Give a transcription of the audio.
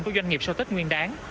của doanh nghiệp sau tết nguyên đáng